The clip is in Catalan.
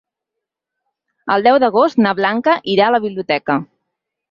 El deu d'agost na Blanca irà a la biblioteca.